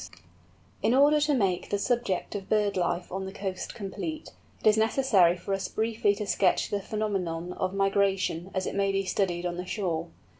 _ In order to make the subject of Bird life on the Coast complete, it is necessary for us briefly to sketch the phenomenon of Migration as it may be studied on the shore.